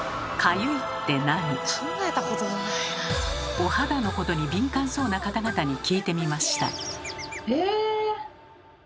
お肌のことに敏感そうな方々に聞いてみました。